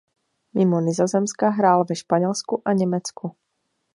Mimo Nizozemska hrál ve Španělsku a Německu.